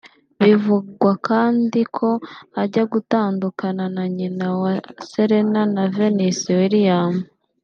Bivugwa kandi ko ajya gutandukana na nyina wa ba Serena na Venus Williams